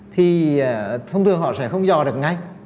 thì thông thường họ sẽ không dò được ngay